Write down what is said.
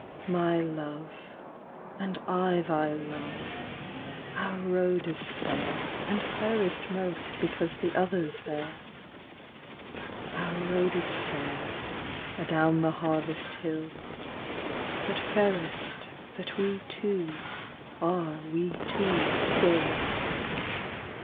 My love, and I thy love, our road is fair, And fairest most because the other's there : Our road is fair, adown the harvest hill. But fairest that we two are we two still.